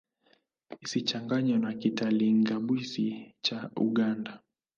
Isichanganywe na Kitalinga-Bwisi cha Uganda.